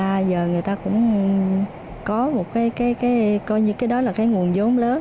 bây giờ người ta cũng có một cái coi như cái đó là cái nguồn vốn lớn